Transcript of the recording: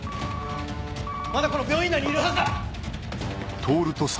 まだこの病院内にいるはずだ！